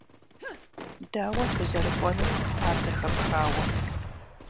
Дауэт узэрыкӀуэнур, ар зэхэпхауэ?..